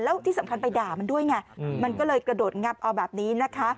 แล้วที่สำคัญไปด่ามันด้วยไงมันก็เลยกระโดดงับเอาแบบนี้นะคะ